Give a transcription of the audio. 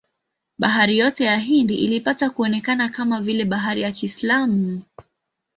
Bahari yote ya Hindi ilipata kuonekana kama vile bahari ya Kiislamu.